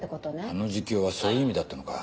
あの自供はそういう意味だったのか。